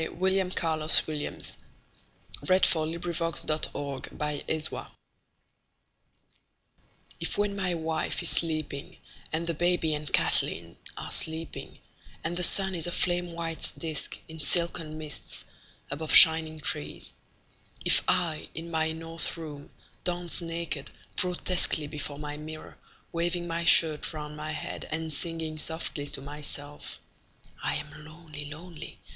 William Carlos Williams Danse Russe IF when my wife is sleeping and the baby and Kathleen are sleeping and the sun is a flame white disc in silken mists above shining trees, if I in my north room dance naked, grotesquely before my mirror waving my shirt round my head and singing softly to myself: "I am lonely, lonely.